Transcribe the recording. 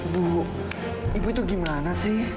bu ibu itu gimana sih